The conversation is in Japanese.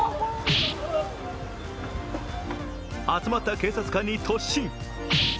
集まった警察官に突進。